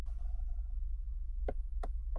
كل شيء منكم عليكم دليل